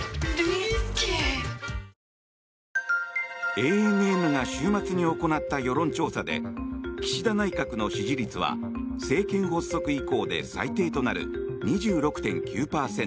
ＡＮＮが週末に行った世論調査で、岸田内閣の支持率は政権発足以降で最低となる２６．９